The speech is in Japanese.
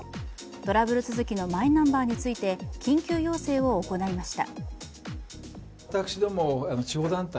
トラブル続きのマイナンバーについて、緊急要請を行いました。